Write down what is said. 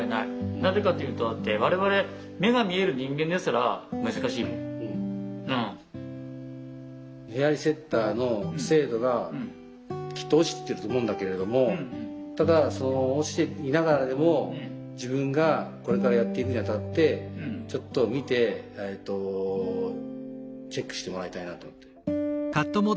なぜかというとヘアリセッターの精度がきっと落ちてると思うんだけれどもただその落ちていながらでも自分がこれからやっていくにあたってちょっと見てチェックしてもらいたいなと思って。